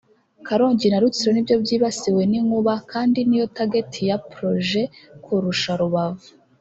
Karongi na Rutsiro nibyo byibasiwe n’inkuba kandi niyo target ya projet kurusha Rubavu